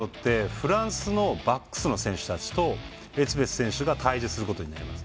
このことによってフランスのバックスの選手たちとエツベス選手が対峙することになります。